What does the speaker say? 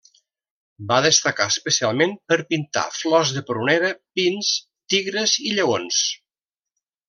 Va destacar especialment per pintar flors de prunera, pins, tigres i lleons.